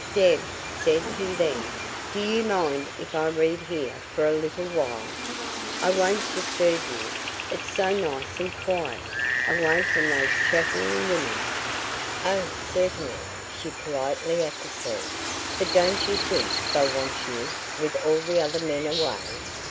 "Deb," said he then, "do you mind if I read here for a little while? I won't disturb you. It's so nice and quiet away from those chattering women " "Oh, certainly!" she politely acquiesced. "But don't you think they'll want you, with all the other men away?